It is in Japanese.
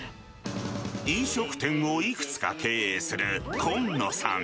飲食店をいくつか経営する今野さん。